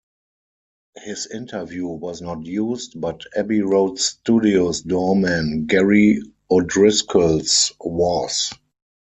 His interview was not used, but Abbey Road Studios doorman Gerry O'Driscoll's was.